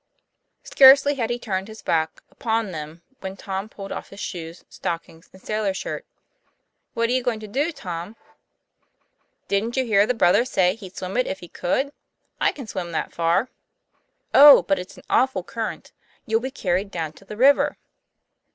Scarcely had he turned his back upon them when Tom pulled off his shoes, stockings, and sailor shirt. 'What are you going to do, Tom ?" 'Didn't you hear the brother say he'd swim it if he could. I can swim that far." 'Oh, but it's an awful current. You'll be carried down to the river."